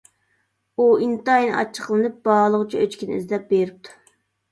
ئۇ ئىنتايىن ئاچچىقلىنىپ، باھالىغۇچى ئۆچكىنى ئىزدەپ بېرىپتۇ.